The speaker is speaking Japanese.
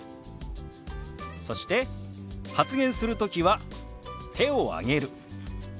そして「発言するときは手を挙げる」。